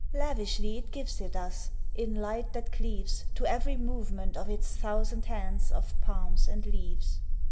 Lavishly it gives it us In light that cleaves To every movement of its thousand hands Of palms and leaves.